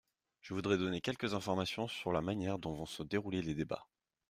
Je voudrais donner quelques informations sur la manière dont vont se dérouler les débats.